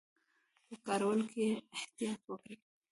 په کارولو کې یې احتیاط وکړي.